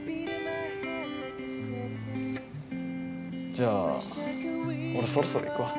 じゃあ俺そろそろ行くわ！